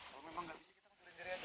kalau memang gak berjaya